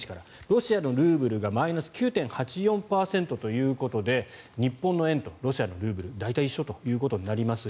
ロシアのルーブルがマイナス９．８４％ということで日本の円とロシアのルーブル大体一緒となります。